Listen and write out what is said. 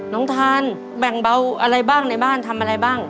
น้องทานแบ่งเบาอะไรบ้างในบ้านทำอะไรบ้าง